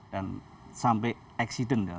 dan sampai accident ya